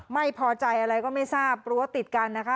ไม่พอใจอะไรก็ไม่ทราบรั้วติดกันนะคะ